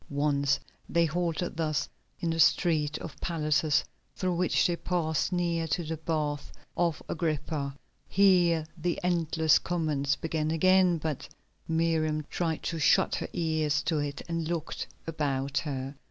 Once they halted thus in the street of palaces through which they passed near to the Baths of Agrippa. Here the endless comments began again, but Miriam tried to shut her ears to it and looked about her.